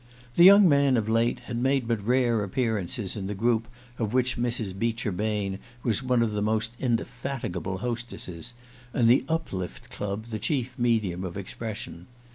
The young man, of late, had made but rare appearances in the group of which Mrs. Beecher Bain was one of the most indefatigable hostesses, and the Uplift Club the chief medium of expression.